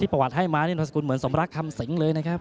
ที่ประวัติให้มาเนี่ยนับสกลเหมือนสำรักษ์คำสิงค์เลยน่ะครับ